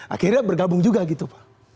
akhirnya bergabung juga gitu pak